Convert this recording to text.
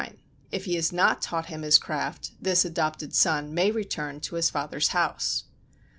If he has not taught him his craft, this adopted son may return to his father's house.